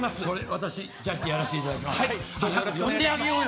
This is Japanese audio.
私、ジャッジやらせていただきます。